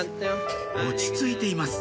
落ち着いています